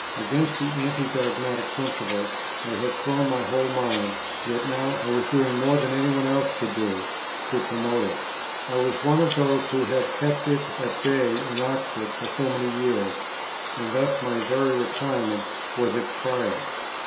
Against the Anti dogmatic principle I had thrown my whole mind; yet now I was doing more than any one else could do, to promote it. I was one of those who had kept it at bay in Oxford for so many years; and thus my very retirement was its triumph.